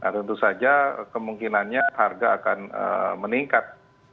tentu saja kemungkinannya harga akan meningkat